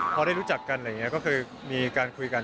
พอได้รู้จักกันอะไรอย่างนี้ก็คือมีการคุยกัน